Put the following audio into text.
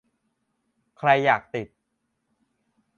ใครอยากติด